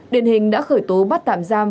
điện hình đã khởi tố bắt tạm giam